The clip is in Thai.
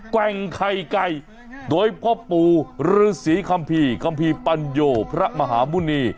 แกว่งไข่ไก่โดยพ่อปู่ฤษีคัมภีร์คัมภีร์ปัญโยพระมหาหมุณี